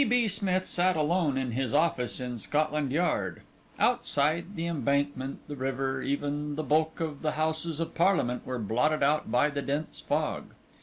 B. Smith sat alone in his office in Scotland Yard. Outside, the Embankment, the river, even the bulk of the Houses of Parliament were blotted out by the dense fog.